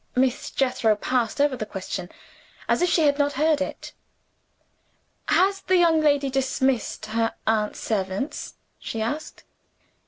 Miss Jethro passed over the question, as if she had not heard it. "Has the young lady dismissed her aunt's servants?" she asked.